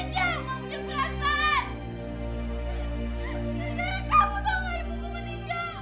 jangan tahu aku disini